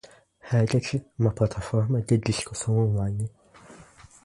Reddit é uma plataforma de discussão online.